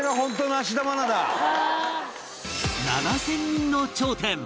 ７０００人の頂点！